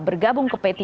bergabung ke p tiga